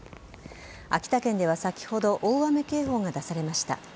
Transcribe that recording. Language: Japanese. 秋田県では先ほど大雨警報が出されました。